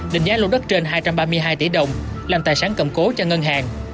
định giá lô đất trên hai trăm ba mươi hai tỷ đồng làm tài sản cầm cố cho ngân hàng